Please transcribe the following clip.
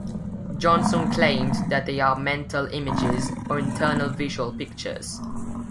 Johnson claimed that they are mental images or internal visual pictures.